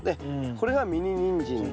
これがミニニンジンです。